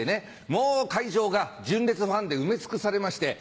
もう会場が純烈ファンで埋め尽くされまして。